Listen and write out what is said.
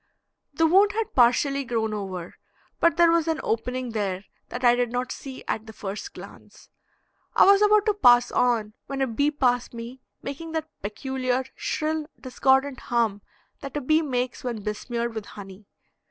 The wound had partially grown over, but there was an opening there that I did not see at the first glance. I was about to pass on when a bee passed me making that peculiar shrill, discordant hum that a bee makes when besmeared with honey.